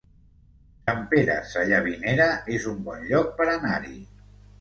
Sant Pere Sallavinera es un bon lloc per anar-hi